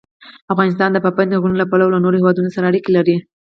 افغانستان د پابندی غرونه له پلوه له نورو هېوادونو سره اړیکې لري.